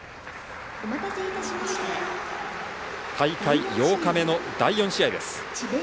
大会８日目の第４試合です。